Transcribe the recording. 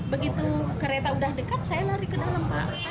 begitu kereta sudah dekat saya lari ke dalam